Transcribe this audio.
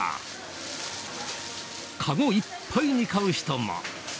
かごいっぱいに買う人も。